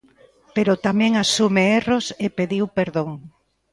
Pero tamén asume erros e pediu perdón.